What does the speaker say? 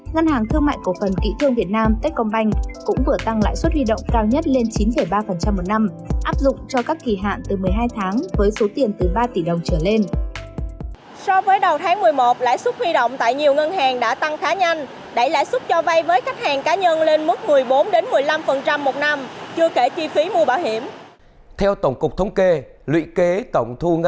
ngân hàng thương mại cổ phần kỵ thương việt nam tết công banh cũng vừa tăng lãi suất huy động cao nhất lên chín ba một năm áp dụng cho các kỳ hạn từ một mươi hai tháng